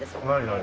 何？